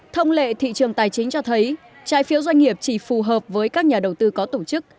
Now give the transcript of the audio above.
thông lệ thị trường tài chính cho thấy trái phiếu doanh nghiệp chỉ phù hợp với các nhà đầu tư có tổ chức